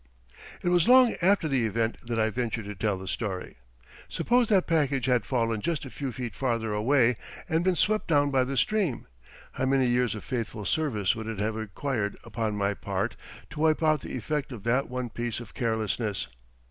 It was long after the event that I ventured to tell the story. Suppose that package had fallen just a few feet farther away and been swept down by the stream, how many years of faithful service would it have required upon my part to wipe out the effect of that one piece of carelessness!